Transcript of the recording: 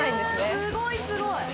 すごい、すごい！